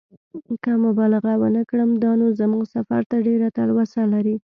که مبالغه ونه کړم دا نو زما سفر ته ډېره تلوسه لري.